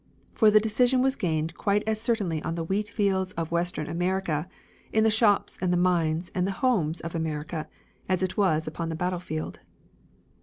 For the decision was gained quite as certainly on the wheat fields of Western America, in the shops and the mines and the homes of America as it was upon the battle field.